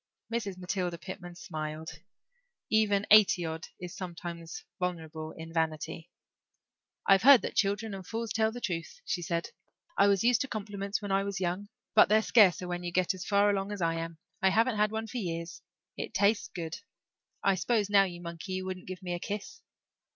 Mrs. Matilda Pitman smiled. Even eighty odd is sometimes vulnerable in vanity. "I've heard that children and fools tell the truth," she said. "I was used to compliments when I was young but they're scarcer when you get as far along as I am. I haven't had one for years. It tastes good. I s'pose now, you monkey, you wouldn't give me a kiss."